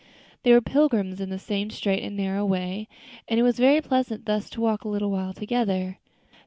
They were pilgrims in the same straight and narrow way, and it was very pleasant thus to walk a little while together.